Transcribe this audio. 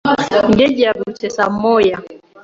Indege yahagurutse saa moya